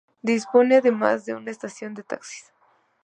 Dispone además de una estación de taxis.